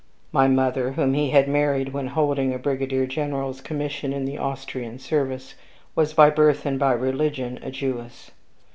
My mother, whom he had married when holding a brigadier general's commission in the Austrian service, was, by birth and by religion, a Jewess.